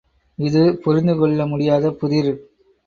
இது புரிந்து கொள்ள முடியாத புதிர்!